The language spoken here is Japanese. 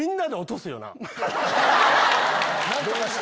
何とかして。